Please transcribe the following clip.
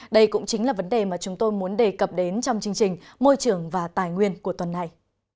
đây cũng chính là vấn đề mà chúng tôi muốn đề cập đến trong chương trình môi trường và tài nguyên của tuần này